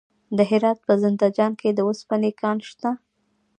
د هرات په زنده جان کې د وسپنې کان شته.